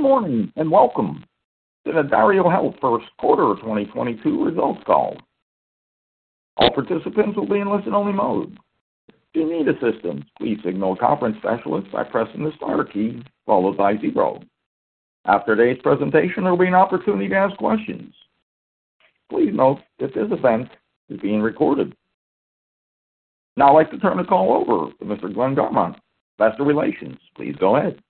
Good morning, and welcome to the DarioHealth first quarter of 2022 results call. All participants will be in listen-only mode. If you need assistance, please signal a conference specialist by pressing the star key followed by zero. After today's presentation, there will be an opportunity to ask questions. Please note this event is being recorded. Now I'd like to turn the call over to Mr. Glenn Garmont, Investor Relations. Please go ahead.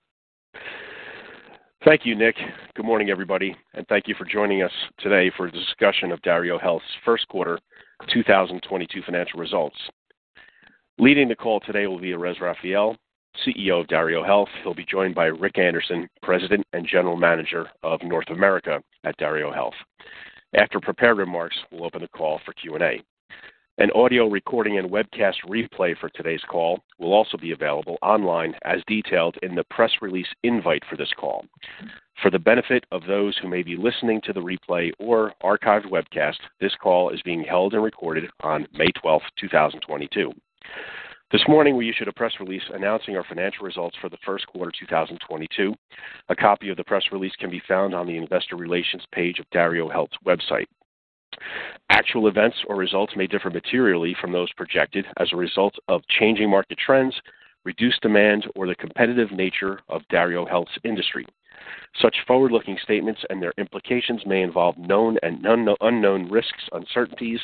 Thank you, Nick. Good morning, everybody, and thank you for joining us today for a discussion of DarioHealth's first quarter 2022 financial results. Leading the call today will be Erez Raphael, CEO of DarioHealth, who'll be joined by Rick Anderson, President and General Manager of North America at DarioHealth. After prepared remarks, we'll open the call for Q&A. An audio recording and webcast replay for today's call will also be available online as detailed in the press release invite for this call. For the benefit of those who may be listening to the replay or archived webcast, this call is being held and recorded on May 12, 2022. This morning, we issued a press release announcing our financial results for the first quarter of 2022. A copy of the press release can be found on the Investor Relations page of DarioHealth's website. Actual events or results may differ materially from those projected as a result of changing market trends, reduced demand, or the competitive nature of DarioHealth's industry. Such forward-looking statements and their implications may involve known and unknown risks, uncertainties,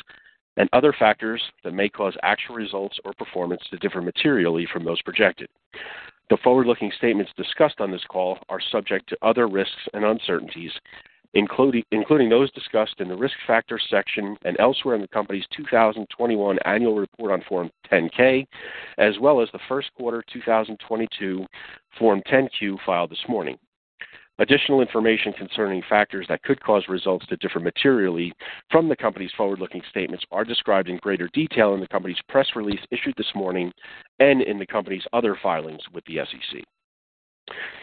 and other factors that may cause actual results or performance to differ materially from those projected. The forward-looking statements discussed on this call are subject to other risks and uncertainties, including those discussed in the Risk Factors section and elsewhere in the company's 2021 annual report on Form 10-K, as well as the first quarter 2022 Form 10-Q filed this morning. Additional information concerning factors that could cause results to differ materially from the company's forward-looking statements are described in greater detail in the company's press release issued this morning and in the company's other filings with the SEC.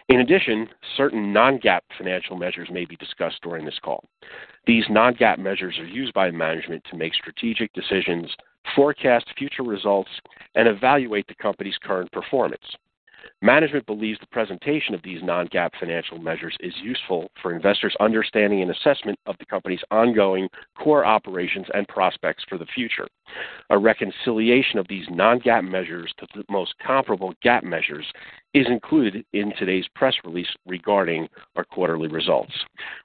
In addition, certain non-GAAP financial measures may be discussed during this call. These non-GAAP measures are used by management to make strategic decisions, forecast future results, and evaluate the company's current performance. Management believes the presentation of these non-GAAP financial measures is useful for investors' understanding and assessment of the company's ongoing core operations and prospects for the future. A reconciliation of these non-GAAP measures to the most comparable GAAP measures is included in today's press release regarding our quarterly results.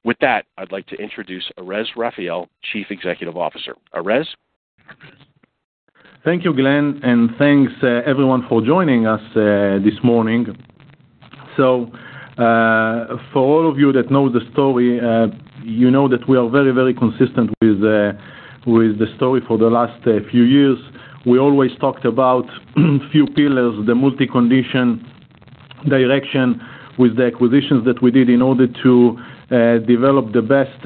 With that, I'd like to introduce Erez Raphael, Chief Executive Officer. Erez? Thank you, Glenn, and thanks, everyone for joining us, this morning. For all of you that know the story, you know that we are very, very consistent with the story for the last few years. We always talked about few pillars, the multi-condition direction with the acquisitions that we did in order to develop the best,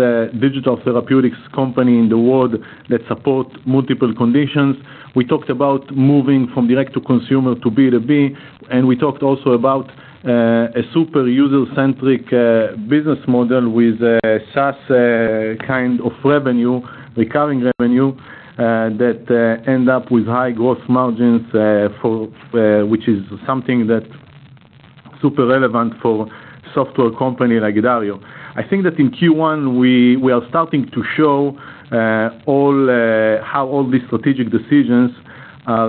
digital therapeutics company in the world that support multiple conditions. We talked about moving from direct to consumer to B2B, and we talked also about a super user-centric business model with a SaaS kind of revenue, recurring revenue, that end up with high gross margins, for which is something that super relevant for software company like Dario. I think that in Q1, we are starting to show how all these strategic decisions are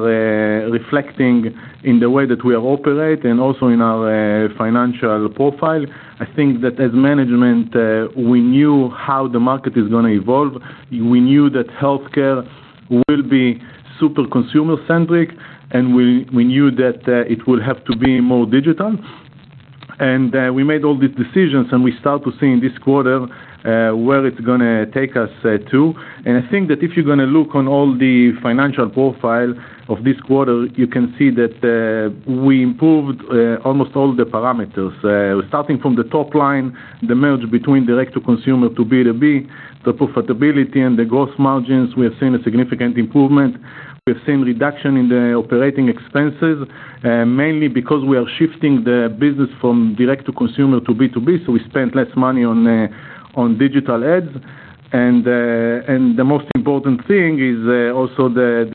reflecting in the way that we operate and also in our financial profile. I think that as management, we knew how the market is gonna evolve. We knew that healthcare will be super consumer-centric, and we knew that it would have to be more digital. We made all these decisions, and we start to see in this quarter where it's gonna take us to. I think that if you're gonna look on all the financial profile of this quarter, you can see that we improved almost all the parameters. Starting from the top line, the merger between direct to consumer to B2B, the profitability and the gross margins, we have seen a significant improvement. We have seen reduction in the operating expenses mainly because we are shifting the business from direct to consumer to B2B, so we spend less money on digital ads. The most important thing is also the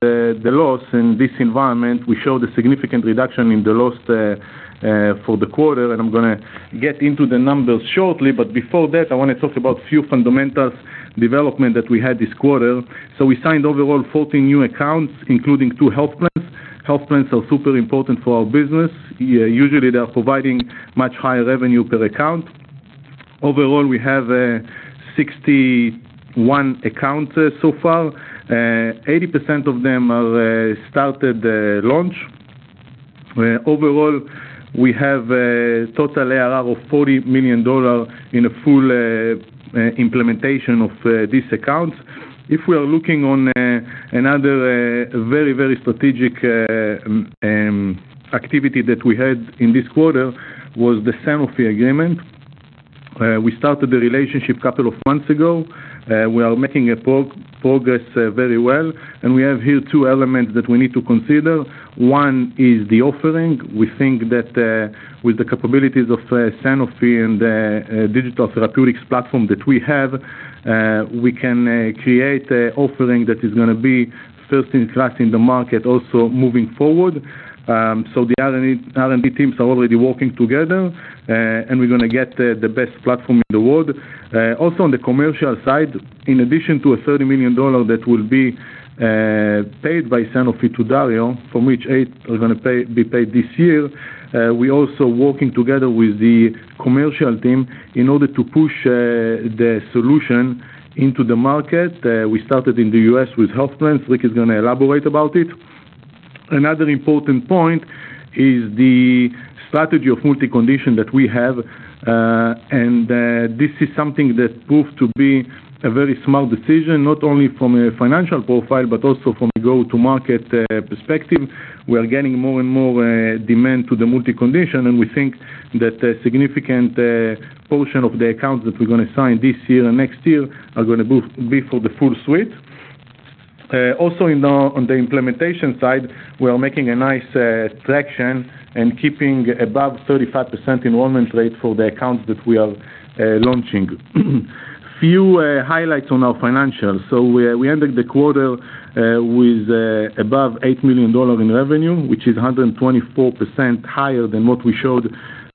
loss in this environment. We showed a significant reduction in the loss for the quarter, and I'm gonna get into the numbers shortly. Before that, I wanna talk about a few fundamental developments that we had this quarter. We signed overall 14 new accounts, including two health plans. Health plans are super important for our business. Usually they are providing much higher revenue per account. Overall, we have 61 accounts so far. 80% of them have started launch. Overall, we have a total ARR of $40 million in a full implementation of these accounts. If we are looking at another very strategic activity that we had in this quarter was the Sanofi agreement. We started the relationship a couple of months ago. We are making progress very well, and we have here two elements that we need to consider. One is the offering. We think that with the capabilities of Sanofi and digital therapeutics platform that we have, we can create a offering that is gonna be first in class in the market, also moving forward. The R&D teams are already working together, and we're gonna get the best platform in the world. Also on the commercial side, in addition to a $30 million that will be paid by Sanofi to Dario, from which $8 million are gonna be paid this year, we're also working together with the commercial team in order to push the solution into the market. We started in the U.S. with health plans. Zvi is gonna elaborate about it. Another important point is the strategy of multi-condition that we have, and this is something that proved to be a very smart decision, not only from a financial profile, but also from a go-to-market perspective. We are gaining more and more demand to the multi-condition, and we think that a significant portion of the accounts that we're gonna sign this year and next year are gonna be for the full suite. Also, on the implementation side, we are making nice traction and keeping above 35% enrollment rate for the accounts that we are launching. Few highlights on our financials. We ended the quarter with above $8 million in revenue, which is 124% higher than what we showed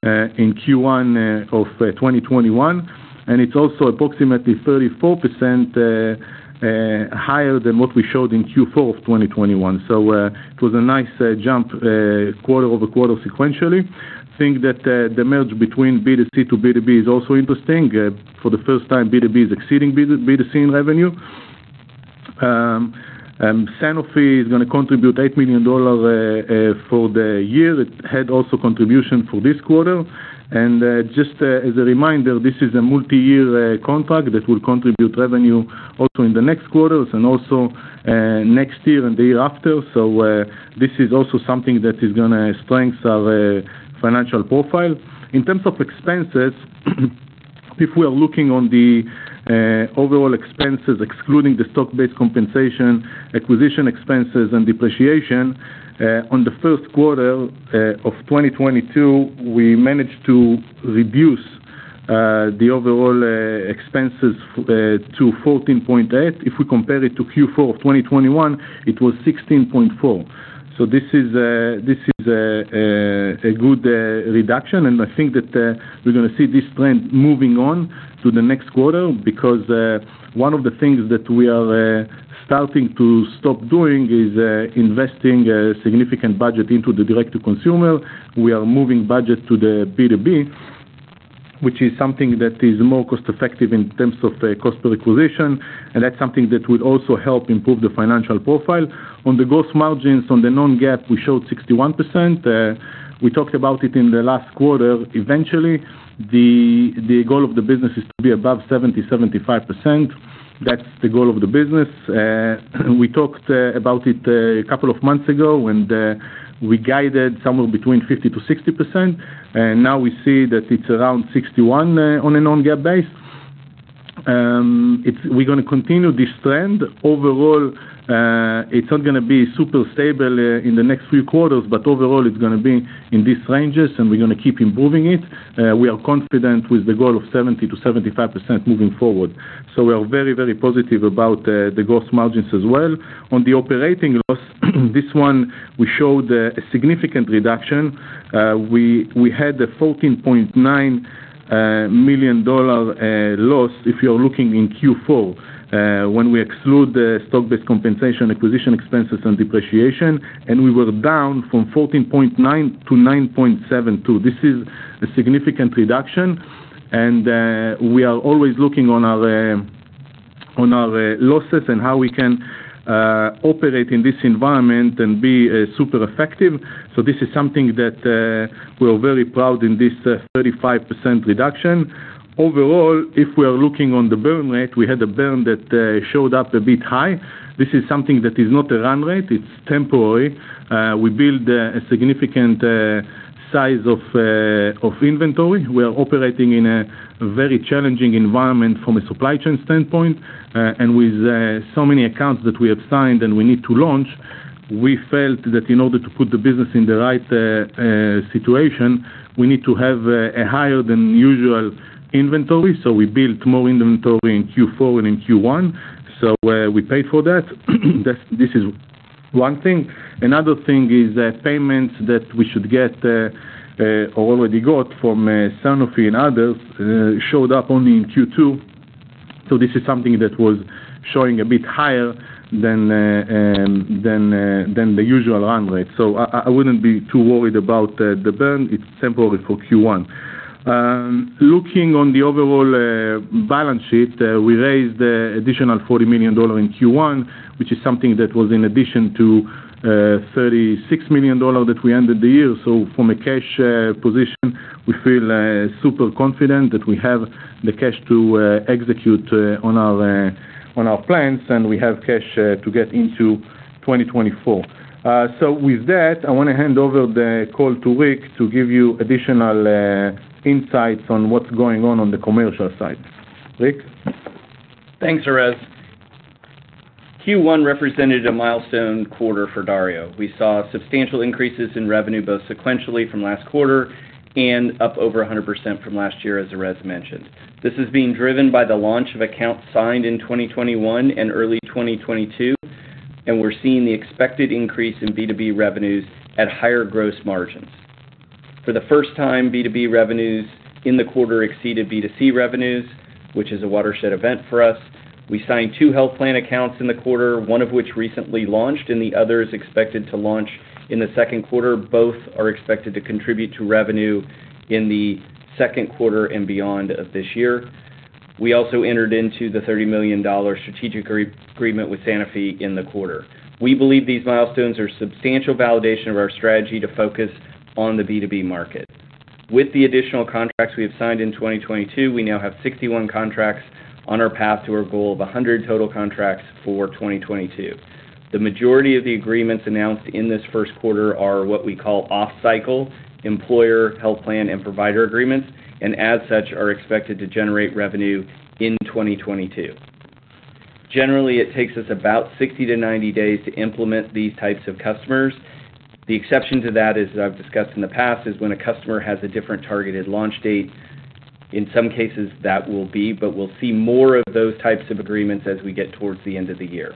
in Q1 of 2021, and it's also approximately 34% higher than what we showed in Q4 of 2021. It was a nice jump quarter-over-quarter sequentially. Think that the merge between B2C to B2B is also interesting. For the first time, B2B is exceeding B2C in revenue. Sanofi is gonna contribute $8 million for the year. It had also contribution for this quarter. Just as a reminder, this is a multiyear contract that will contribute revenue also in the next quarters and also next year and the year after. This is also something that is gonna strengthen our financial profile. In terms of expenses, if we are looking at the overall expenses, excluding the stock-based compensation, acquisition expenses, and depreciation, on the first quarter of 2022, we managed to reduce the overall expenses to $14.8. If we compare it to Q4 of 2021, it was $16.4. This is a good reduction, and I think that we're gonna see this trend moving on to the next quarter because one of the things that we are starting to stop doing is investing a significant budget into the direct to consumer. We are moving budget to the B2B, which is something that is more cost effective in terms of cost per acquisition, and that's something that will also help improve the financial profile. On the gross margins on the non-GAAP, we showed 61%. We talked about it in the last quarter. Eventually, the goal of the business is to be above 70%-75%. That's the goal of the business. We talked about it a couple of months ago when we guided somewhere between 50%-60%, and now we see that it's around 61% on a non-GAAP basis. We're gonna continue this trend. Overall, it's not gonna be super stable in the next few quarters, but overall, it's gonna be in these ranges, and we're gonna keep improving it. We are confident with the goal of 70%-75% moving forward. We are very, very positive about the gross margins as well. On the operating loss, this one we showed a significant reduction. We had a $14.9 million loss, if you're looking in Q4, when we exclude the stock-based compensation, acquisition expenses, and depreciation, and we were down from $14.9 million-$9.72 million. This is a significant reduction, and we are always looking on our losses and how we can operate in this environment and be super effective. This is something that we are very proud in this 35% reduction. Overall, if we are looking on the burn rate, we had a burn that showed up a bit high. This is something that is not a run rate. It's temporary. We built a significant size of inventory. We are operating in a very challenging environment from a supply chain standpoint, and with so many accounts that we have signed and we need to launch, we felt that in order to put the business in the right situation, we need to have a higher than usual inventory. We built more inventory in Q4 and in Q1, so we paid for that. That's one thing. Another thing is payments that we should get or already got from Sanofi and others showed up only in Q2. This is something that was showing a bit higher than the usual run rate. I wouldn't be too worried about the burn. It's temporary for Q1. Looking on the overall balance sheet, we raised additional $40 million in Q1, which is something that was in addition to $36 million that we ended the year. From a cash position, we feel super confident that we have the cash to execute on our plans, and we have cash to get into 2024. I wanna hand over the call to Rick to give you additional insights on what's going on on the commercial side. Rick? Thanks, Erez. Q1 represented a milestone quarter for Dario. We saw substantial increases in revenue, both sequentially from last quarter and up over 100% from last year, as Erez mentioned. This is being driven by the launch of accounts signed in 2021 and early 2022, and we're seeing the expected increase in B2B revenues at higher gross margins. For the first time, B2B revenues in the quarter exceeded B2C revenues, which is a watershed event for us. We signed two health plan accounts in the quarter, one of which recently launched, and the other is expected to launch in the second quarter. Both are expected to contribute to revenue in the second quarter and beyond of this year. We also entered into the $30 million strategic agreement with Sanofi in the quarter. We believe these milestones are substantial validation of our strategy to focus on the B2B market. With the additional contracts we have signed in 2022, we now have 61 contracts on our path to our goal of 100 total contracts for 2022. The majority of the agreements announced in this first quarter are what we call off-cycle employer health plan and provider agreements, and as such, are expected to generate revenue in 2022. Generally, it takes us about 60-90 days to implement these types of customers. The exception to that, as I've discussed in the past, is when a customer has a different targeted launch date. In some cases, that will be, but we'll see more of those types of agreements as we get towards the end of the year.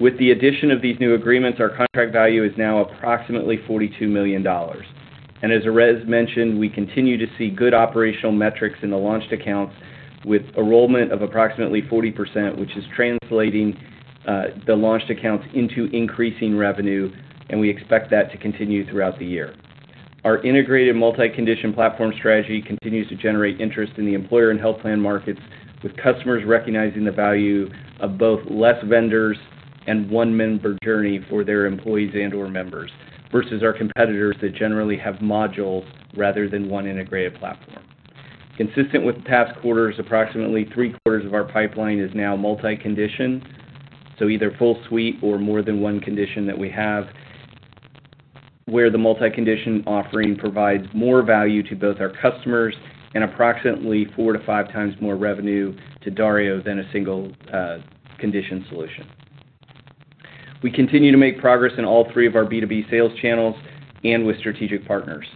With the addition of these new agreements, our contract value is now approximately $42 million. As Erez mentioned, we continue to see good operational metrics in the launched accounts with enrollment of approximately 40%, which is translating the launched accounts into increasing revenue, and we expect that to continue throughout the year. Our integrated multi-condition platform strategy continues to generate interest in the employer and health plan markets, with customers recognizing the value of both less vendors and one member journey for their employees and/or members versus our competitors that generally have modules rather than one integrated platform. Consistent with the past quarters, approximately three-quarters of our pipeline is now multi-condition, so either full suite or more than one condition that we have, where the multi-condition offering provides more value to both our customers and approximately 4-5 times more revenue to Dario than a single condition solution. We continue to make progress in all three of our B2B sales channels and with strategic partners.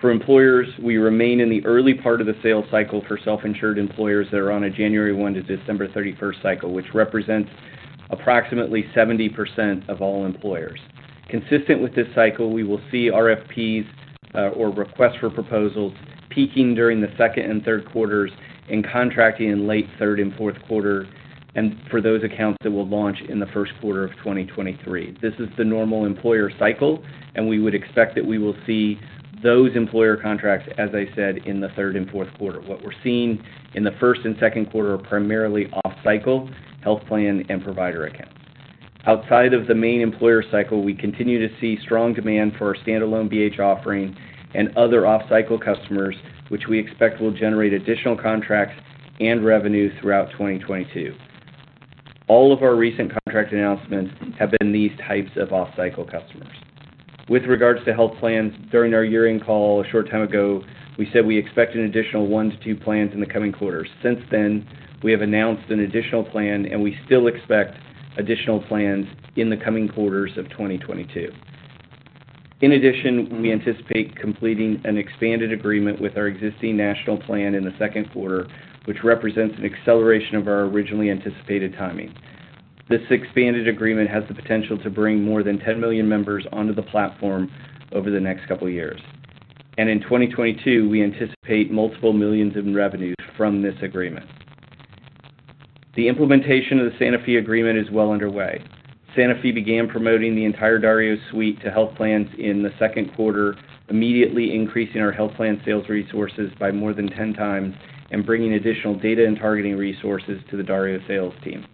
For employers, we remain in the early part of the sales cycle for self-insured employers that are on a January 1 to December 31 cycle, which represents approximately 70% of all employers. Consistent with this cycle, we will see RFPs or request for proposals peaking during the second and third quarters and contracting in late third and fourth quarter, and for those accounts that will launch in the first quarter of 2023. This is the normal employer cycle, and we would expect that we will see those employer contracts, as I said, in the third and fourth quarter. What we're seeing in the first and second quarter are primarily off-cycle health plan and provider accounts. Outside of the main employer cycle, we continue to see strong demand for our standalone BH offering and other off-cycle customers, which we expect will generate additional contracts and revenue throughout 2022. All of our recent contract announcements have been these types of off-cycle customers. With regards to health plans, during our year-end call a short time ago, we said we expect an additional 1-2 plans in the coming quarters. Since then, we have announced an additional plan, and we still expect additional plans in the coming quarters of 2022. In addition, we anticipate completing an expanded agreement with our existing national plan in the second quarter, which represents an acceleration of our originally anticipated timing. This expanded agreement has the potential to bring more than 10 million members onto the platform over the next couple years. In 2022, we anticipate multiple millions in revenue from this agreement. The implementation of the Sanofi agreement is well underway. Sanofi began promoting the entire Dario suite to health plans in the second quarter, immediately increasing our health plan sales resources by more than 10 times and bringing additional data and targeting resources to the Dario sales team.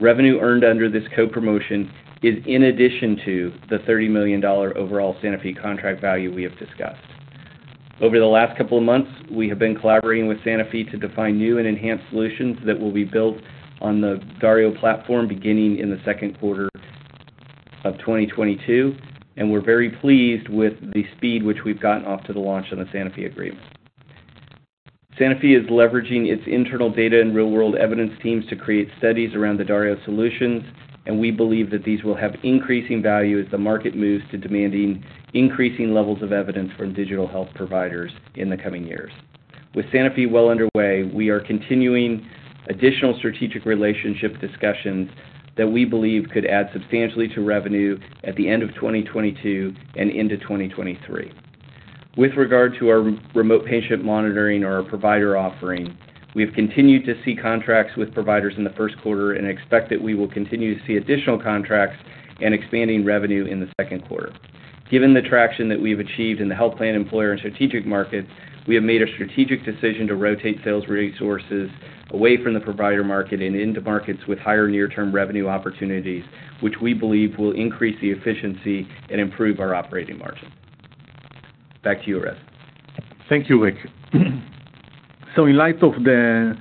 Revenue earned under this co-promotion is in addition to the $30 million overall Sanofi contract value we have discussed. Over the last couple of months, we have been collaborating with Sanofi to define new and enhanced solutions that will be built on the Dario platform beginning in the second quarter of 2022, and we're very pleased with the speed at which we've gotten off to the launch of the Sanofi agreement. Sanofi is leveraging its internal data and real-world evidence teams to create studies around the Dario solutions, and we believe that these will have increasing value as the market moves to demanding increasing levels of evidence from digital health providers in the coming years. With Sanofi well underway, we are continuing additional strategic relationship discussions that we believe could add substantially to revenue at the end of 2022 and into 2023. With regard to our remote patient monitoring or our provider offering, we've continued to see contracts with providers in the first quarter and expect that we will continue to see additional contracts and expanding revenue in the second quarter. Given the traction that we've achieved in the health plan employer and strategic markets, we have made a strategic decision to rotate sales resources away from the provider market and into markets with higher near-term revenue opportunities, which we believe will increase the efficiency and improve our operating margin. Back to you, Erez. Thank you, Rick. In light of the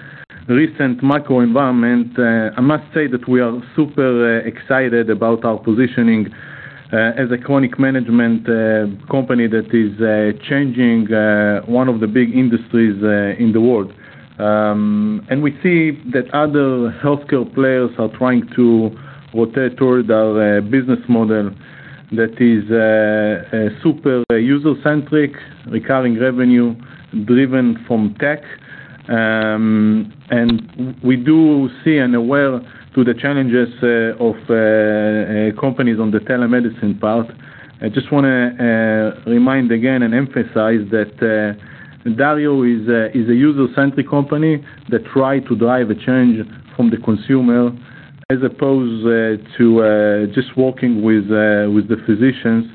recent macro environment, I must say that we are super excited about our positioning as a chronic management company that is changing one of the big industries in the world. We see that other healthcare players are trying to rotate toward our business model that is super user-centric, recurring revenue driven from tech. We do see and are aware to the challenges of companies on the telemedicine part. I just wanna remind again and emphasize that Dario is a user-centric company that try to drive a change from the consumer as opposed to just working with the physicians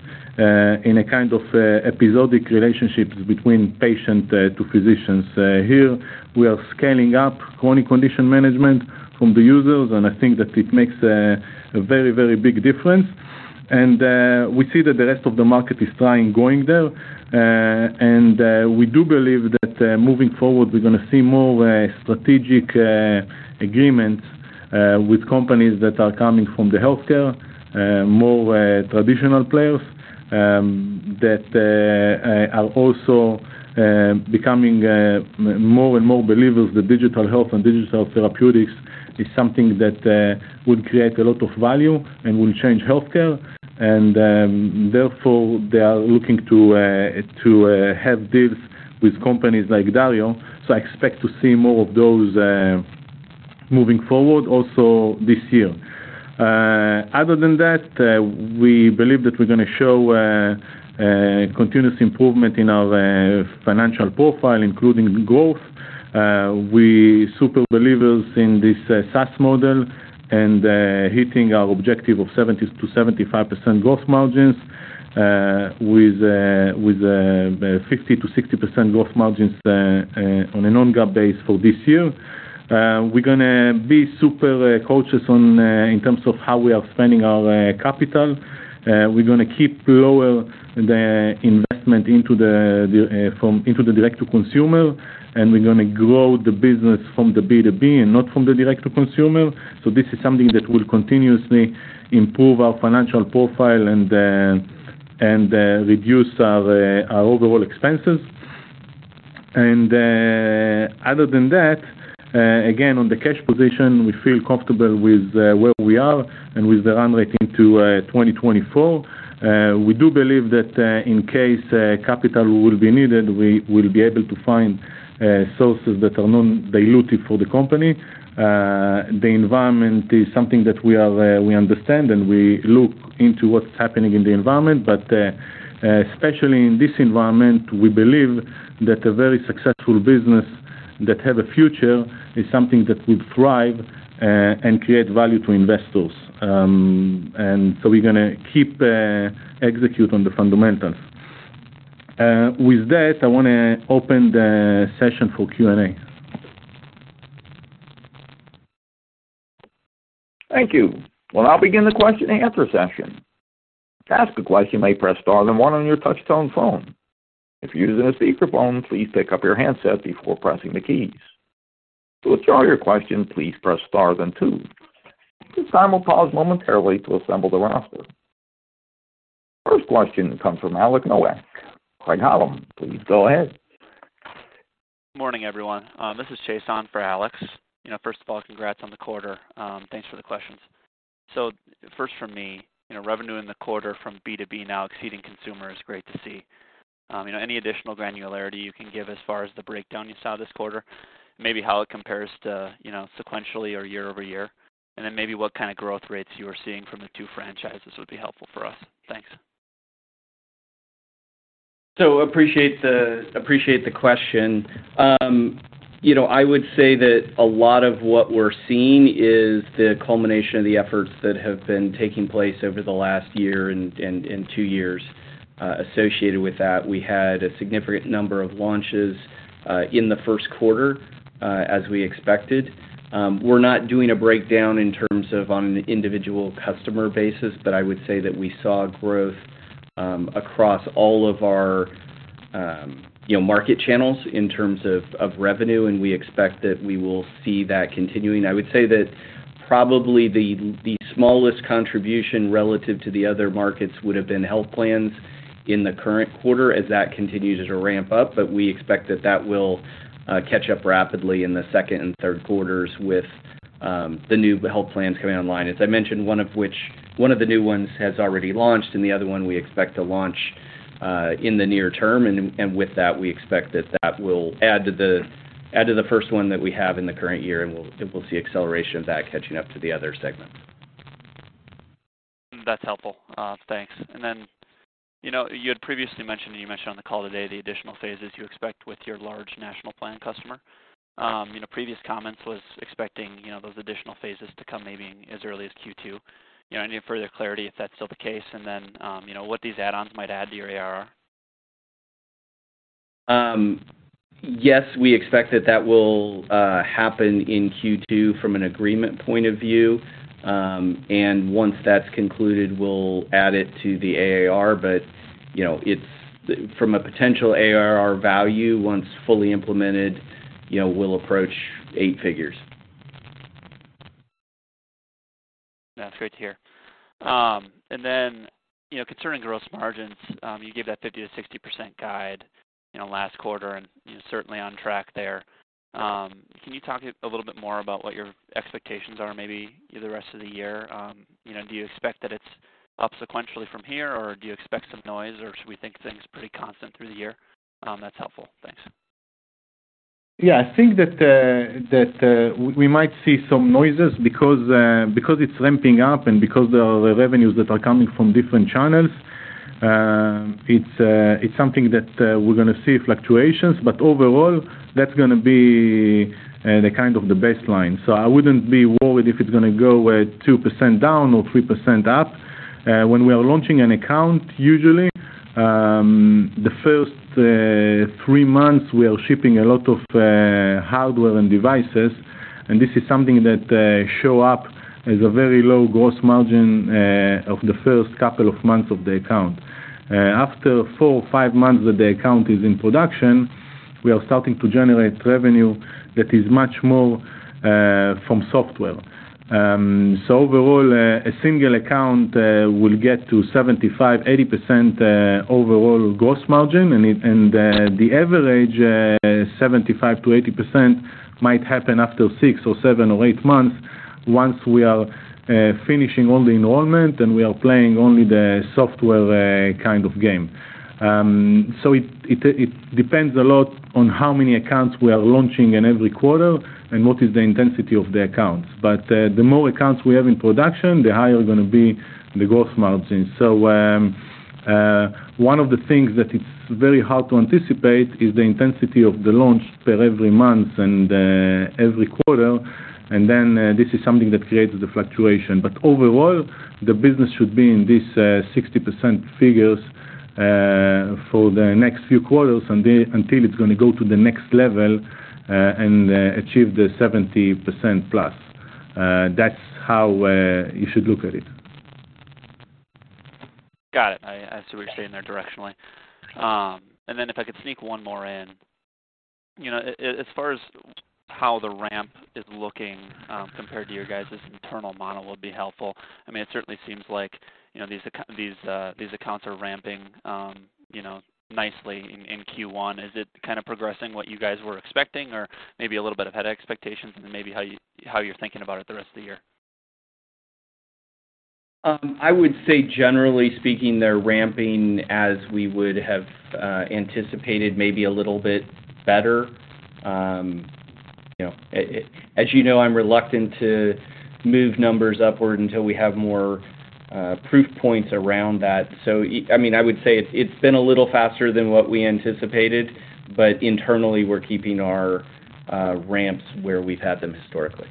in a kind of episodic relationships between patient to physicians. Here we are scaling up chronic condition management from the users, and I think that it makes a very, very big difference. We see that the rest of the market is trying to go there. We do believe that, moving forward, we're gonna see more strategic agreements with companies that are coming from the healthcare, more traditional players, that are also becoming more and more believers that digital health and digital therapeutics is something that will create a lot of value and will change healthcare. Therefore, they are looking to have deals with companies like Dario. I expect to see more of those moving forward also this year. Other than that, we believe that we're gonna show continuous improvement in our financial profile, including growth. We super believers in this SaaS model and hitting our objective of 70%-75% growth margins with 50%-60% growth margins on a non-GAAP basis for this year. We're gonna be super cautious in terms of how we are spending our capital. We're gonna keep lower the investment into the direct to consumer, and we're gonna grow the business from the B2B and not from the direct to consumer. This is something that will continuously improve our financial profile and reduce our overall expenses. Other than that, again, on the cash position, we feel comfortable with where we are and with the run rate to 2024. We do believe that in case capital will be needed, we will be able to find sources that are non-dilutive for the company. The environment is something that we understand, and we look into what's happening in the environment. Especially in this environment, we believe that a very successful business that have a future is something that will thrive and create value to investors. And so we're gonna keep execute on the fundamentals. With that, I wanna open the session for Q&A. Thank you. Well, I'll begin the question and answer session. To ask a question, you may press star then one on your touch tone phone. If you're using a speakerphone, please pick up your handset before pressing the keys. To withdraw your question, please press star then two. At this time we'll pause momentarily to assemble the roster. First question comes from Alex Nowak. Craig-Hallum, please go ahead. Morning, everyone. This is Chase on for Alex. You know, first of all, congrats on the quarter. Thanks for the questions. First from me, you know, revenue in the quarter from B2B now exceeding consumer is great to see. You know, any additional granularity you can give as far as the breakdown you saw this quarter, maybe how it compares to, you know, sequentially or year-over-year? Maybe what kind of growth rates you are seeing from the two franchises would be helpful for us. Thanks. Appreciate the question. You know, I would say that a lot of what we're seeing is the culmination of the efforts that have been taking place over the last year and two years, associated with that. We had a significant number of launches in the first quarter, as we expected. We're not doing a breakdown in terms of on an individual customer basis, but I would say that we saw growth across all of our, you know, market channels in terms of revenue, and we expect that we will see that continuing. I would say that probably the smallest contribution relative to the other markets would have been health plans in the current quarter as that continues to ramp up. We expect that will catch up rapidly in the second and third quarters with the new health plans coming online. As I mentioned, one of the new ones has already launched and the other one we expect to launch in the near term. With that, we expect that will add to the first one that we have in the current year, and we'll see acceleration of that catching up to the other segments. That's helpful. Thanks. You know, you had previously mentioned, and you mentioned on the call today the additional phases you expect with your large national plan customer. You know, previous comments was expecting, you know, those additional phases to come maybe as early as Q2. You know, any further clarity if that's still the case? You know, what these add-ons might add to your ARR? Yes, we expect that will happen in Q2 from an agreement point of view. Once that's concluded, we'll add it to the ARR. You know, it's from a potential ARR value once fully implemented, you know, we'll approach eight figures. That's great to hear. You know, concerning gross margins, you gave that 50%-60% guide, you know, last quarter and certainly on track there. Can you talk a little bit more about what your expectations are maybe the rest of the year? You know, do you expect that it's up sequentially from here, or do you expect some noise, or should we think things pretty constant through the year? That's helpful. Thanks. Yeah. I think that we might see some noises because it's ramping up and because the revenues that are coming from different channels, it's something that we're gonna see fluctuations. Overall, that's gonna be the kind of baseline. I wouldn't be worried if it's gonna go 2% down or 3% up. When we are launching an account, usually the first three months, we are shipping a lot of hardware and devices, and this is something that show up as a very low gross margin of the first couple of months of the account. After four or five months that the account is in production, we are starting to generate revenue that is much more from software. Overall, a single account will get to 75%-80% overall gross margin, and the average 75%-80% might happen after six or seven or eight months once we are finishing all the enrollment and we are playing only the software kind of game. It depends a lot on how many accounts we are launching in every quarter and what is the intensity of the accounts. The more accounts we have in production, the higher is gonna be the gross margin. One of the things that it's very hard to anticipate is the intensity of the launch per every month and every quarter, and then this is something that creates the fluctuation. Overall, the business should be in this 60% figures for the next few quarters until it's gonna go to the next level and achieve the 70%+. That's how you should look at it. Got it. I see what you're saying there directionally. If I could sneak one more in. You know, as far as how the ramp is looking compared to your guys' internal model would be helpful. I mean, it certainly seems like, you know, these accounts are ramping, you know, nicely in Q1. Is it kind of progressing what you guys were expecting or maybe a little bit ahead of expectations and then maybe how you're thinking about it the rest of the year? I would say generally speaking, they're ramping as we would have anticipated maybe a little bit better. You know, as you know, I'm reluctant to move numbers upward until we have more proof points around that. I mean, I would say it's been a little faster than what we anticipated, but internally, we're keeping our ramps where we've had them historically.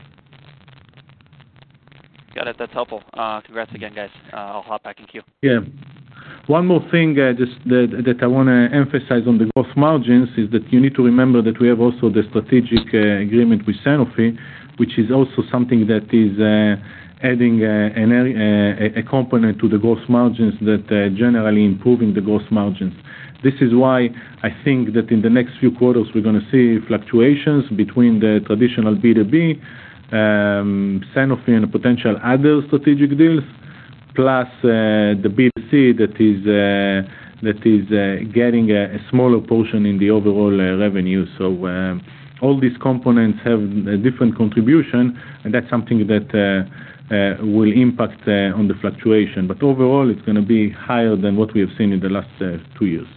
Got it. That's helpful. Congrats again, guys. I'll hop back in queue. Yeah. One more thing, just that I wanna emphasize on the gross margins is that you need to remember that we have also the strategic agreement with Sanofi, which is also something that is adding an ARR component to the gross margins that are generally improving the gross margins. This is why I think that in the next few quarters, we're gonna see fluctuations between the traditional B2B, Sanofi and potential other strategic deals, plus the B2C that is getting a smaller portion in the overall revenue. All these components have a different contribution, and that's something that will impact on the fluctuation. Overall, it's gonna be higher than what we have seen in the last two years.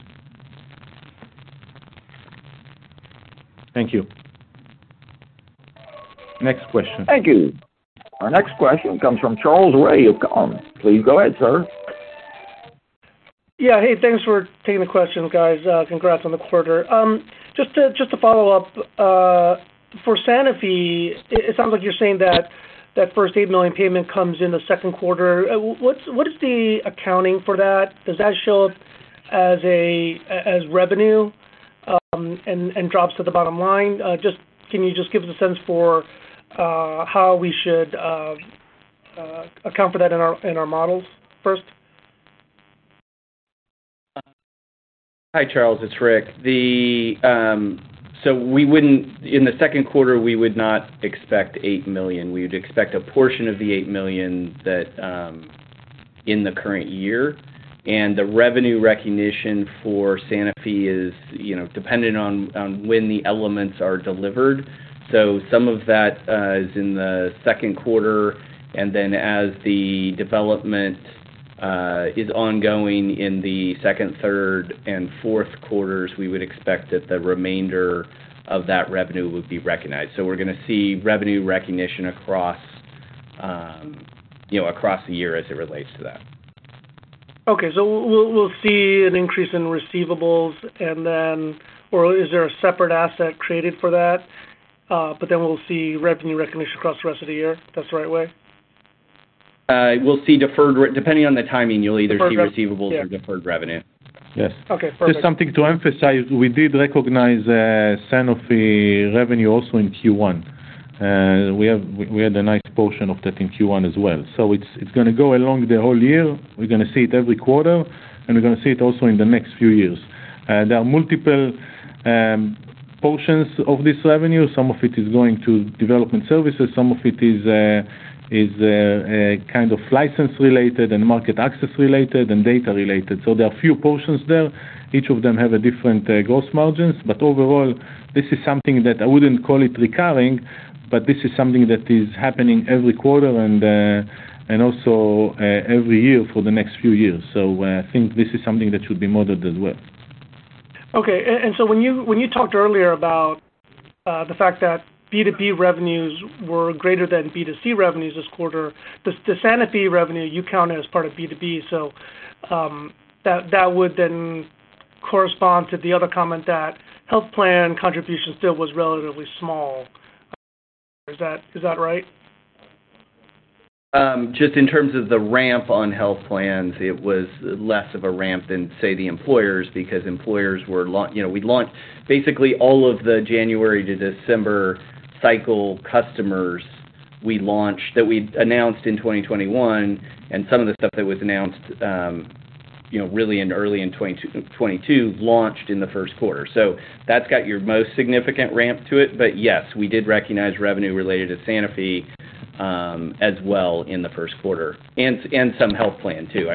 Thank you. Next question. Thank you. Our next question comes from Charles Rhyee of Cowen. Please go ahead, sir. Yeah. Hey, thanks for taking the questions, guys. Congrats on the quarter. Just to follow up, for Sanofi, it sounds like you're saying that first $8 million payment comes in the second quarter. What is the accounting for that? Does that show up as revenue and drops to the bottom line? Can you just give us a sense for how we should account for that in our models first? Hi, Charles. It's Rick. In the second quarter, we would not expect $8 million. We would expect a portion of the $8 million that in the current year. The revenue recognition for Sanofi is, you know, dependent on when the elements are delivered. Some of that is in the second quarter. As the development is ongoing in the second, third, and fourth quarters, we would expect that the remainder of that revenue would be recognized. We're gonna see revenue recognition across, you know, across the year as it relates to that. Okay. We'll see an increase in receivables and then, or is there a separate asset created for that? But then we'll see revenue recognition across the rest of the year. That's the right way? We'll see. Depending on the timing, you'll either see receivables or deferred revenue. Yes. Okay, perfect. Just something to emphasize, we did recognize Sanofi revenue also in Q1. We had a nice portion of that in Q1 as well. It's gonna go along the whole year. We're gonna see it every quarter, and we're gonna see it also in the next few years. There are multiple portions of this revenue. Some of it is going to development services, some of it is kind of license related and market access related and data related. There are few portions there. Each of them have a different gross margins. Overall, this is something that I wouldn't call it recurring, but this is something that is happening every quarter and also every year for the next few years. I think this is something that should be modeled as well. When you talked earlier about the fact that B2B revenues were greater than B2C revenues this quarter, the Sanofi revenue you count as part of B2B, that would then correspond to the other comment that health plan contribution still was relatively small. Is that right? Just in terms of the ramp on health plans, it was less of a ramp than, say, the employers, because employers were you know, we launched basically all of the January to December cycle customers we launched that we'd announced in 2021, and some of the stuff that was announced, you know, really in early 2022 launched in the first quarter. So that's got your most significant ramp to it. But yes, we did recognize revenue related to Sanofi as well in the first quarter and some health plan too.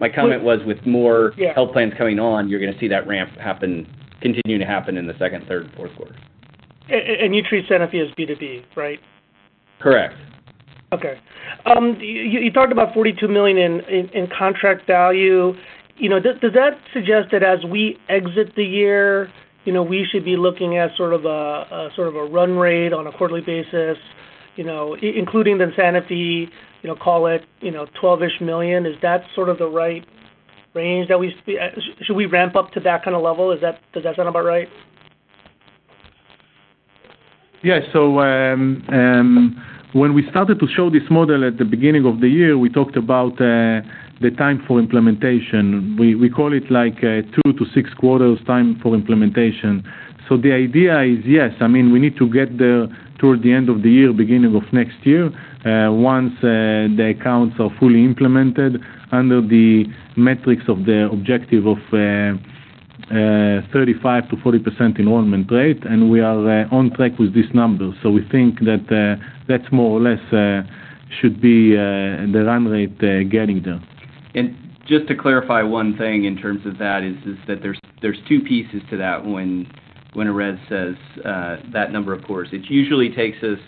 My comment was with more- Yeah. Health plans coming on, you're gonna see that ramp happen, continue to happen in the second, third, and fourth quarter. You treat Sanofi as B2B, right? Correct. Okay. You talked about $42 million in contract value. You know, does that suggest that as we exit the year, you know, we should be looking at sort of a run rate on a quarterly basis, you know, including the Sanofi, you know, call it $12-ish million? Is that sort of the right range? Should we ramp up to that kind of level? Does that sound about right? Yeah. When we started to show this model at the beginning of the year, we talked about the time for implementation. We call it like 2-6 quarters time for implementation. The idea is, yes, I mean, we need to get toward the end of the year, beginning of next year, once the accounts are fully implemented under the metrics of the objective of 35%-40% enrollment rate, and we are on track with this number. We think that more or less should be the run rate getting there. Just to clarify one thing in terms of that, is that there's two pieces to that when Erez says that number of course. It usually takes us,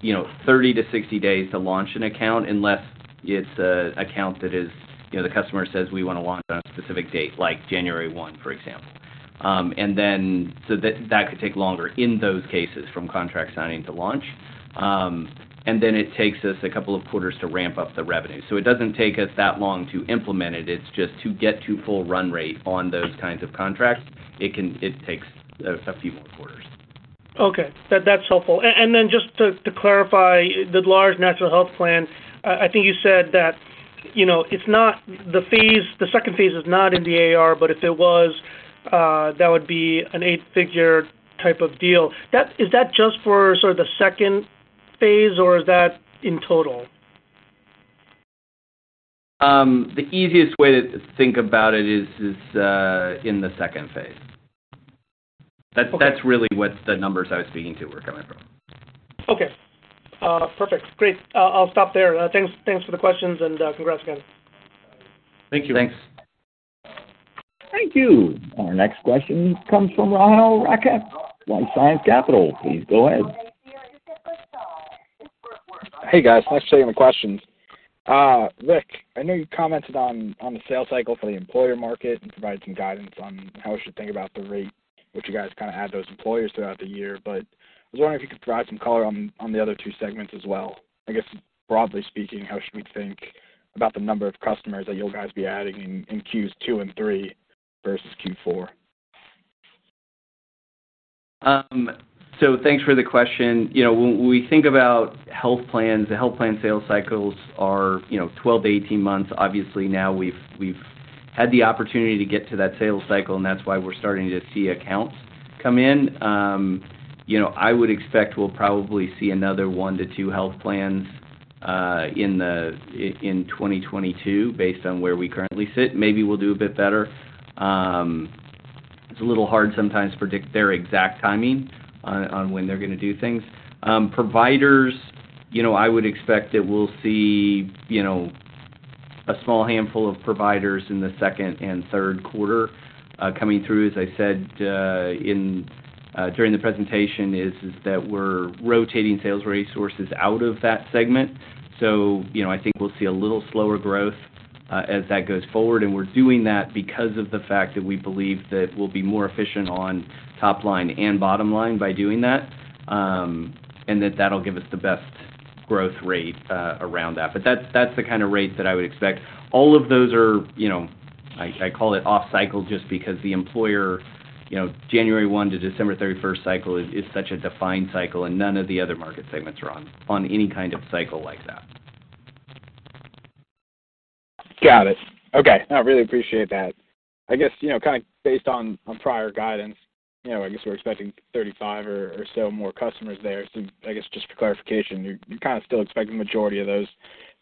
you know, 30 to 60 days to launch an account unless it's a account that is, you know, the customer says, "We wanna launch on a specific date," like January one, for example. That could take longer in those cases from contract signing to launch. It takes us a couple of quarters to ramp up the revenue. It doesn't take us that long to implement it. It's just to get to full run rate on those kinds of contracts. It takes a few more quarters. Okay. That's helpful. And then just to clarify, the large national health plan, I think you said that, you know, it's not the phase, the second phase is not in the AR, but if it was, that would be an eight-figure type of deal. That is that just for sort of the second phase, or is that in total? The easiest way to think about it is in the second phase. Okay. That's really what the numbers I was speaking to were coming from. Okay. Perfect. Great. I'll stop there. Thanks for the questions and congrats again. Thank you. Thanks. Thank you. Our next question comes from Rahul Rakhit, LifeSci Capital. Please go ahead. Hey, guys. Thanks for taking the questions. Rick, I know you commented on the sales cycle for the employer market and provided some guidance on how we should think about the rate, which you guys kinda add those employers throughout the year. I was wondering if you could provide some color on the other two segments as well. I guess, broadly speaking, how should we think about the number of customers that you guys be adding in Q2 and Q3 versus Q4? Thanks for the question. You know, when we think about health plans, the health plan sales cycles are, you know, 12-18 months. Obviously, now we've had the opportunity to get to that sales cycle, and that's why we're starting to see accounts come in. You know, I would expect we'll probably see another 1-2 health plans in 2022 based on where we currently sit. Maybe we'll do a bit better. It's a little hard sometimes to predict their exact timing on when they're gonna do things. Providers, you know, I would expect that we'll see, you know, a small handful of providers in the second and third quarter coming through. As I said, in during the presentation is that we're rotating sales resources out of that segment. You know, I think we'll see a little slower growth as that goes forward. We're doing that because of the fact that we believe that we'll be more efficient on top line and bottom line by doing that, and that that'll give us the best growth rate around that. But that's the kinda rate that I would expect. All of those are, you know, I call it off-cycle just because the employer, you know, January 1 to December 31st cycle is such a defined cycle, and none of the other market segments are on any kind of cycle like that. Got it. Okay. I really appreciate that. I guess, you know, kind of based on prior guidance, you know, I guess we're expecting 35 or so more customers there. I guess just for clarification, you're kind of still expecting the majority of those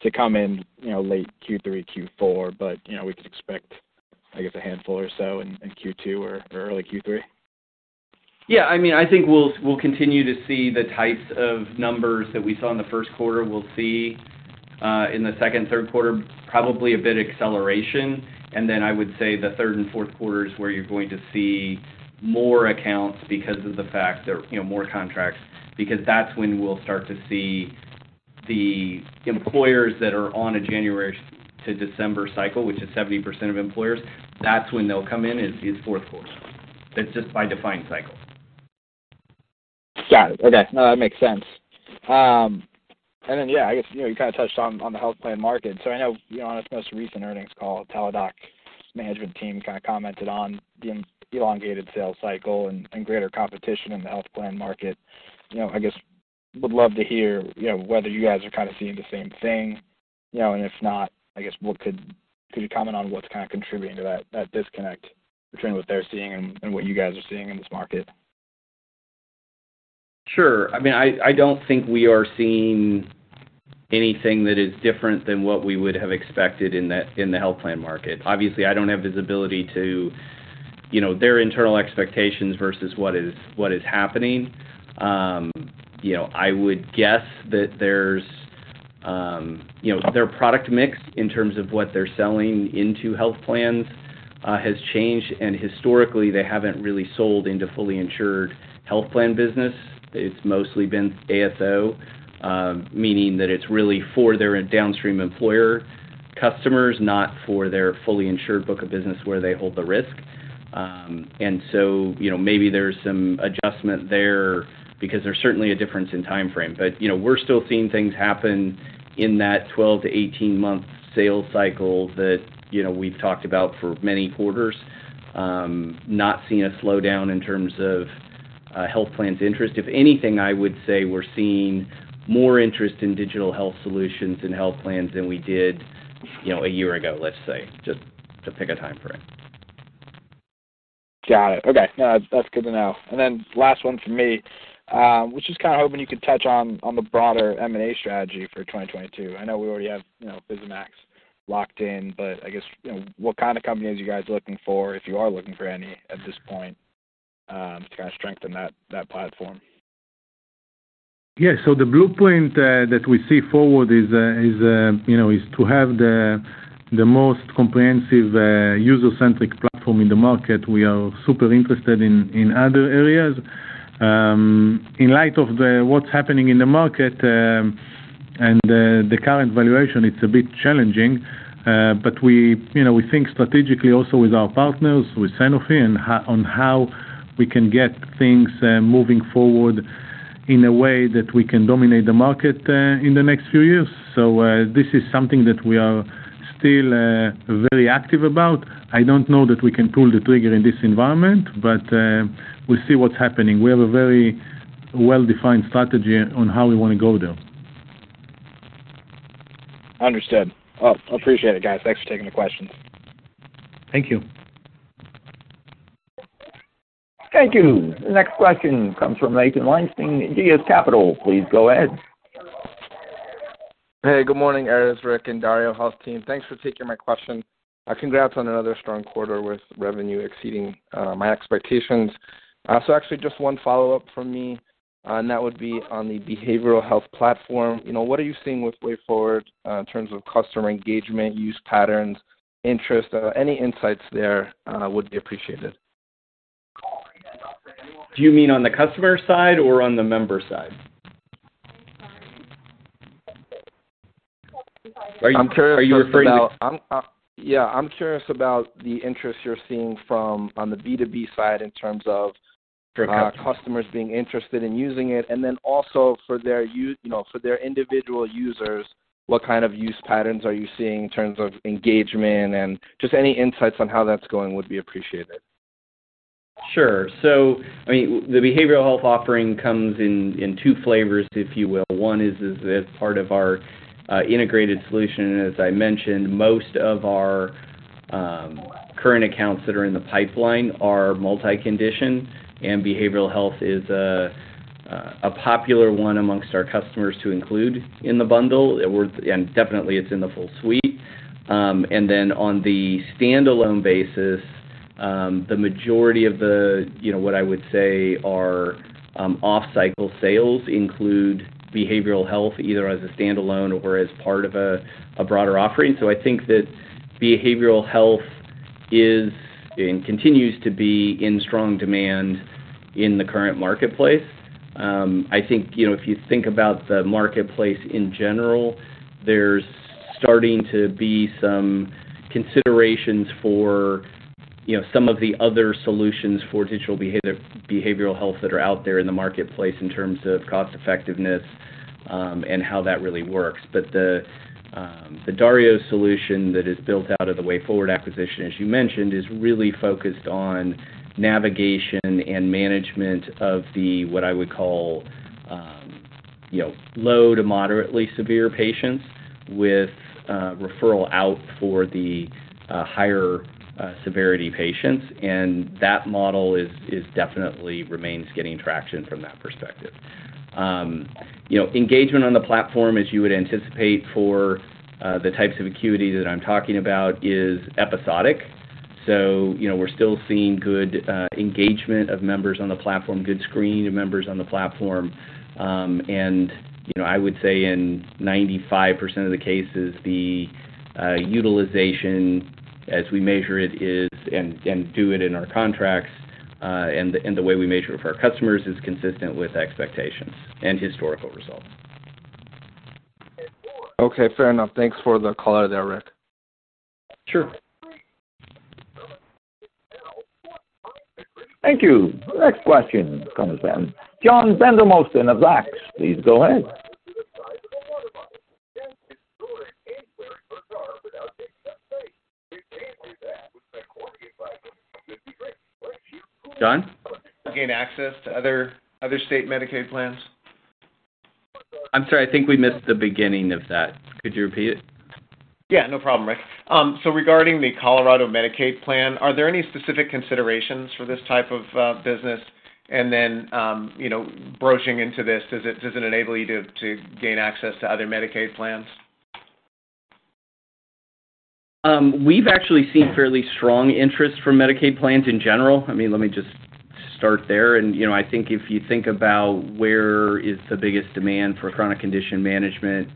to come in, you know, late Q3, Q4, but, you know, we could expect, I guess, a handful or so in Q2 or early Q3? Yeah. I mean, I think we'll continue to see the types of numbers that we saw in the first quarter. We'll see in the second, third quarter probably a bit acceleration. Then I would say the third and fourth quarter is where you're going to see more accounts because of the fact there, you know, more contracts because that's when we'll start to see the employers that are on a January to December cycle, which is 70% of employers, that's when they'll come in is fourth quarter. It's just by defined cycle. Got it. Okay. No, that makes sense. And then, yeah, I guess, you know, you kinda touched on the health plan market. I know, you know, on its most recent earnings call, Teladoc management team kind of commented on the elongated sales cycle and greater competition in the health plan market. You know, I guess would love to hear, you know, whether you guys are kinda seeing the same thing. You know, if not, I guess could you comment on what's kinda contributing to that disconnect between what they're seeing and what you guys are seeing in this market? Sure. I mean, I don't think we are seeing anything that is different than what we would have expected in the health plan market. Obviously, I don't have visibility to, you know, their internal expectations versus what is happening. I would guess that there's their product mix in terms of what they're selling into health plans has changed, and historically, they haven't really sold into fully insured health plan business. It's mostly been ASO, meaning that it's really for their downstream employer customers, not for their fully insured book of business where they hold the risk. You know, maybe there's some adjustment there because there's certainly a difference in timeframe. You know, we're still seeing things happen in that 12-18-month sales cycle that, you know, we've talked about for many quarters, not seeing a slowdown in terms of health plans interest. If anything, I would say we're seeing more interest in digital health solutions and health plans than we did, you know, a year ago, let's say, just to pick a timeframe. Got it. Okay. No, that's good to know. Last one from me was just kind of hoping you could touch on the broader M&A strategy for 2022. I know we already have, you know, Physimax locked in, but I guess, you know, what kind of companies are you guys looking for, if you are looking for any at this point, to kind of strengthen that platform? Yeah. The blueprint that we see forward is, you know, to have the most comprehensive user-centric platform in the market. We are super interested in other areas. In light of what's happening in the market and the current valuation, it's a bit challenging, but we, you know, we think strategically also with our partners, with Sanofi, and on how we can get things moving forward in a way that we can dominate the market in the next few years. This is something that we are still very active about. I don't know that we can pull the trigger in this environment, but we'll see what's happening. We have a very well-defined strategy on how we wanna go there. Understood. Well, appreciate it, guys. Thanks for taking the questions. Thank you. Thank you. The next question comes from Nathan Weinstein at Aegis Capital. Please go ahead. Hey, good morning, Erez, Rick, and DarioHealth team. Thanks for taking my question. Congrats on another strong quarter with revenue exceeding my expectations. Actually just one follow-up from me, and that would be on the behavioral health platform. You know, what are you seeing with wayForward in terms of customer engagement, use patterns, interest? Any insights there would be appreciated. Do you mean on the customer side or on the member side? I'm curious about. Are you referring to? Yeah, I'm curious about the interest you're seeing from, on the B2B side in terms of. Gotcha kind of customers being interested in using it. Also for their you know, for their individual users, what kind of use patterns are you seeing in terms of engagement? Just any insights on how that's going would be appreciated. Sure. I mean, the behavioral health offering comes in in two flavors, if you will. One is as part of our integrated solution. As I mentioned, most of our current accounts that are in the pipeline are multi-condition, and behavioral health is a popular one among our customers to include in the bundle. Definitely it's in the full suite. On the standalone basis, the majority of the you know what I would say are off-cycle sales include behavioral health, either as a standalone or as part of a broader offering. I think that behavioral health is and continues to be in strong demand in the current marketplace. I think, you know, if you think about the marketplace in general, there's starting to be some considerations for, you know, some of the other solutions for digital behavioral health that are out there in the marketplace in terms of cost effectiveness, and how that really works. The Dario solution that is built out of the wayForward acquisition, as you mentioned, is really focused on navigation and management of the, what I would call, you know, low to moderately severe patients with referral out for the higher severity patients. That model is definitely remains getting traction from that perspective. You know, engagement on the platform, as you would anticipate for the types of acuity that I'm talking about, is episodic. You know, we're still seeing good engagement of members on the platform, good screening of members on the platform. You know, I would say in 95% of the cases, the utilization as we measure it and do it in our contracts, and the way we measure it for our customers is consistent with expectations and historical results. Okay, fair enough. Thanks for the color there, Rick. Sure. Thank you. Next question comes from John Vandermosten of Zacks. Please go ahead. John? Gain access to other state Medicaid plans. I'm sorry, I think we missed the beginning of that. Could you repeat it? Yeah, no problem, Rick. Regarding the Colorado Medicaid plan, are there any specific considerations for this type of business? Broaching into this, does it enable you to gain access to other Medicaid plans? We've actually seen fairly strong interest from Medicaid plans in general. I mean, let me just start there. You know, I think if you think about where is the biggest demand for chronic condition management,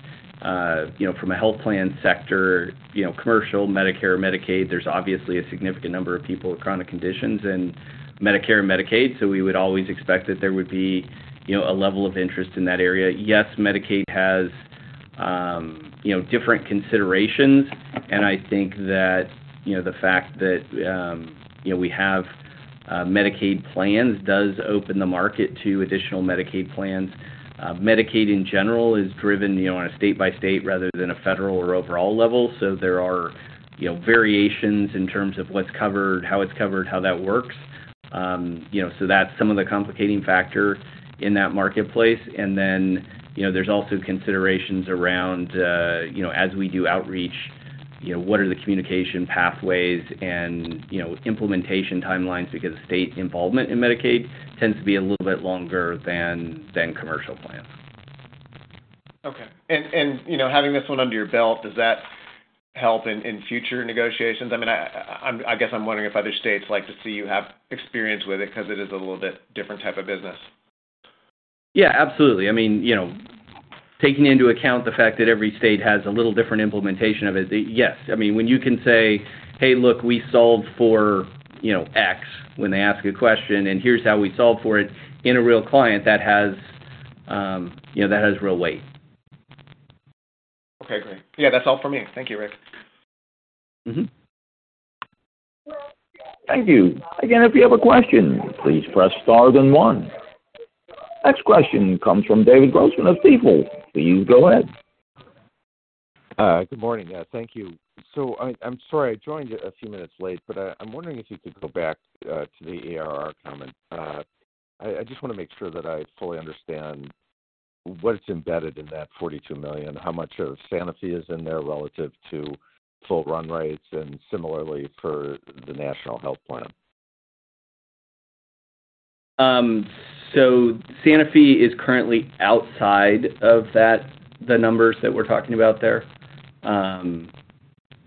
you know, from a health plan sector, you know, commercial, Medicare, Medicaid, there's obviously a significant number of people with chronic conditions in Medicare and Medicaid. We would always expect that there would be, you know, a level of interest in that area. Yes, Medicaid has, you know, different considerations, and I think that, you know, the fact that, you know, we have, Medicaid plans does open the market to additional Medicaid plans. Medicaid in general is driven, you know, on a state by state rather than a federal or overall level, so there are, you know, variations in terms of what's covered, how it's covered, how that works. You know, that's some of the complicating factor in that marketplace. You know, there's also considerations around, you know, as we do outreach, you know, what are the communication pathways and, you know, implementation timelines because state involvement in Medicaid tends to be a little bit longer than commercial plans. Okay. You know, having this one under your belt, does that help in future negotiations? I mean, I guess I'm wondering if other states like to see you have experience with it 'cause it is a little bit different type of business. Yeah, absolutely. I mean, you know, taking into account the fact that every state has a little different implementation of it, yes. I mean, when you can say, "Hey, look, we solved for, you know, X," when they ask a question, and here's how we solve for it in a real client that has, you know, that has real weight. Okay, great. Yeah, that's all for me. Thank you, Rick. Mm-hmm. Thank you. Again, if you have a question, please press star then one. Next question comes from David Grossman of Stifel. Please go ahead. Good morning. Thank you. I'm sorry, I joined a few minutes late, but I'm wondering if you could go back to the ARR comment. I just wanna make sure that I fully understand what's embedded in that $42 million. How much of Sanofi is in there relative to full run rates and similarly per the National Health Plan? Sanofi is currently outside of that, the numbers that we're talking about there.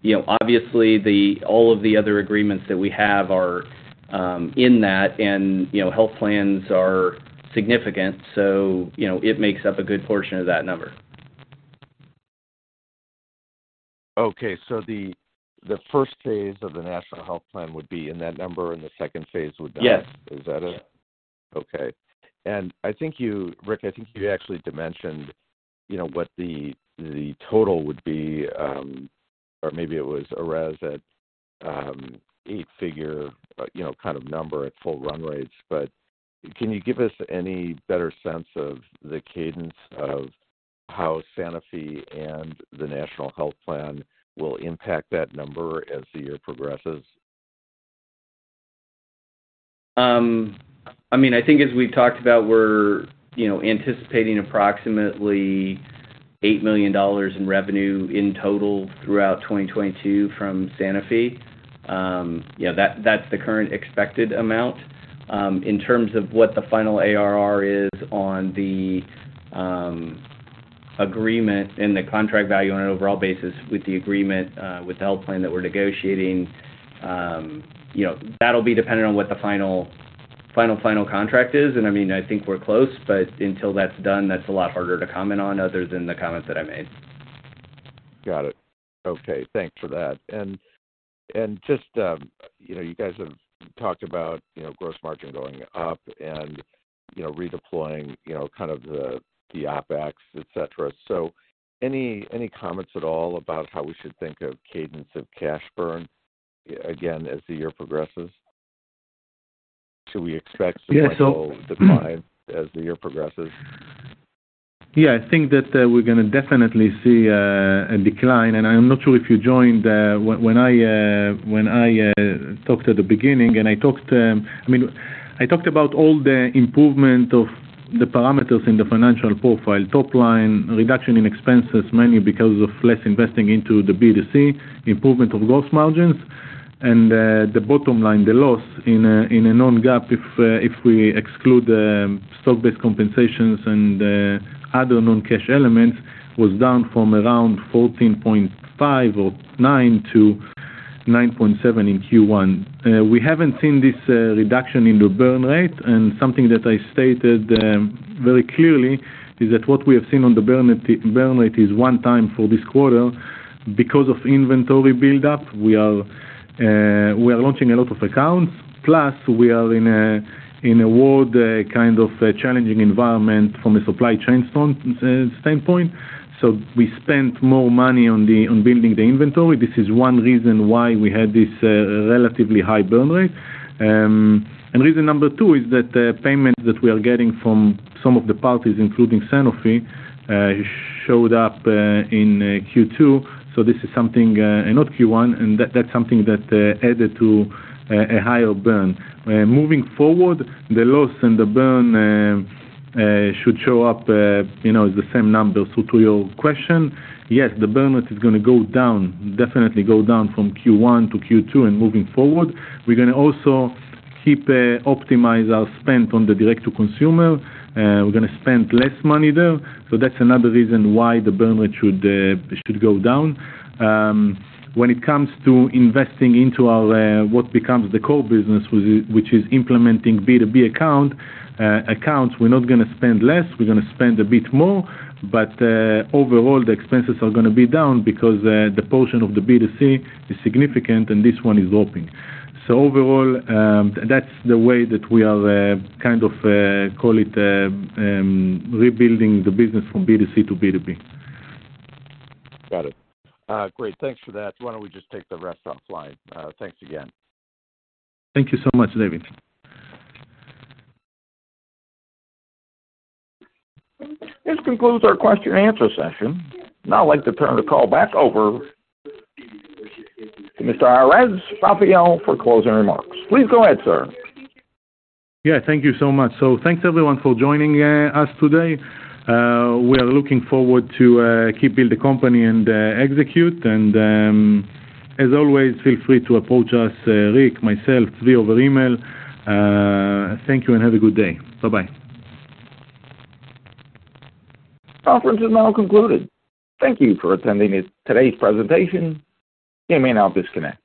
You know, obviously all of the other agreements that we have are in that and, you know, health plans are significant, you know, it makes up a good portion of that number. Okay. The first phase of the national health plan would be in that number and the second phase would not. Yes. Is that it? Okay. I think you, Rick, I think you actually dimensioned, you know, what the total would be, or maybe it was Erez at, eight-figure, you know, kind of number at full run rates. Can you give us any better sense of the cadence of how Sanofi and the National Health Plan will impact that number as the year progresses? I mean, I think as we've talked about, we're, you know, anticipating approximately $8 million in revenue in total throughout 2022 from Sanofi. Yeah, that's the current expected amount. In terms of what the final ARR is on the agreement and the contract value on an overall basis with the agreement with the health plan that we're negotiating, you know, that'll be dependent on what the final contract is. I mean, I think we're close, but until that's done, that's a lot harder to comment on other than the comments that I made. Got it. Okay, thanks for that. Just, you know, you guys have talked about, you know, gross margin going up and, you know, redeploying, you know, kind of the OpEx, et cetera. Any comments at all about how we should think of cadence of cash burn again as the year progresses? Should we expect some kind of decline as the year progresses? Yeah, I think that, we're gonna definitely see a decline. I'm not sure if you joined when I talked at the beginning. I mean, I talked about all the improvement of the parameters in the financial profile, top line, reduction in expenses, mainly because of less investing into the B2C, improvement of gross margins. The bottom line, the loss in a non-GAAP, if we exclude stock-based compensations and other non-cash elements, was down from around $14.5 or 9 to $9.7 in Q1. We haven't seen this reduction in the burn rate. Something that I stated very clearly is that what we have seen on the burn rate is one time for this quarter. Because of inventory buildup, we are launching a lot of accounts. Plus, we are in a world kind of challenging environment from a supply chain standpoint, so we spent more money on building the inventory. This is one reason why we had this relatively high burn rate. Reason number two is that payments that we are getting from some of the parties, including Sanofi, showed up in Q2, so this is something and not Q1, and that's something that added to a higher burn. Moving forward, the loss and the burn should show up, you know, as the same numbers. To your question, yes, the burn rate is gonna go down, definitely go down from Q1 to Q2 and moving forward. We're gonna also optimize our spend on the direct to consumer. We're gonna spend less money there, so that's another reason why the burn rate should go down. When it comes to investing into our what becomes the core business, which is implementing B2B accounts, we're not gonna spend less, we're gonna spend a bit more, but overall, the expenses are gonna be down because the portion of the B2C is significant and this one is whopping. Overall, that's the way that we are kind of call it rebuilding the business from B2C to B2B. Got it. Great. Thanks for that. Why don't we just take the rest offline? Thanks again. Thank you so much, David. This concludes our question and answer session. Now I'd like to turn the call back over to Mr. Erez Raphael for closing remarks. Please go ahead, sir. Yeah. Thank you so much. Thanks everyone for joining us today. We are looking forward to keep building the company and execute. As always, feel free to approach us, Rick, myself, Zvi over email. Thank you and have a good day. Bye-bye. Conference is now concluded. Thank you for attending it, today's presentation. You may now disconnect.